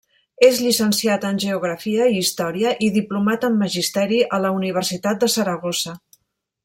És llicenciat en geografia i història i diplomat en magisteri a la Universitat de Saragossa.